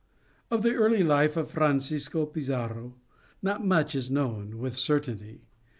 Of the early life of Francisco Pizarro not much is known with certainty.